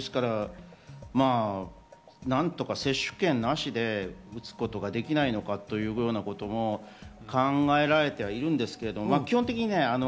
何とか接種券なしで打つことができないのかということも考えられてはいるんですけれども。